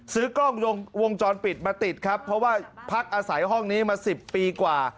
ซื้อกล้องวงจรปิดมาติดครับเพราะว่าพักอาศัยห้องนี้มา๑๐ปีกว่า